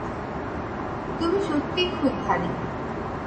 তুমি সত্যিই খুব ভারী।